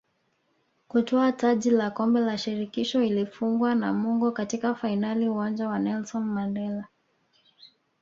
kutwaa taji la Kombe la Shirikisho ikiifunga Namungo katika fainali Uwanja wa Nelson Mandela